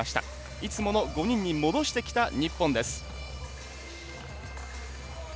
いつもの５人に戻してきた日本です。